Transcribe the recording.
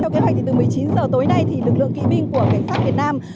theo kế hoạch từ một mươi chín h tối nay thì lực lượng kỵ binh của cảnh sát việt nam